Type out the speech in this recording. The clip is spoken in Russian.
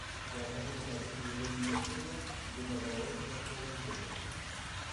Необходимо добиться его немедленного и безоговорочного освобождения.